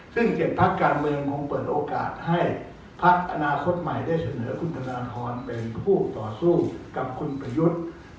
ซึ่ง๗พักการเมืองผมเปิดโอกาสให้พักอนาคตใหม่ได้เสนอคุณธนทรเป็นคู่ต่อสู้กับคุณประยุทธ์